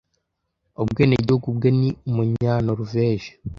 Ubwenegihugu bwe ni Umunyanoruveje